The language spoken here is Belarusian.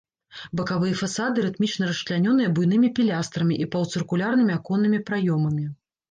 Бакавыя фасады рытмічна расчлянёныя буйнымі пілястрамі і паўцыркульнымі аконнымі праёмамі.